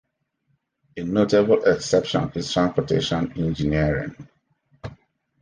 A notable exception is transportation engineering.